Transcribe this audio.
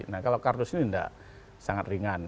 nah kalau kardus ini tidak sangat ringan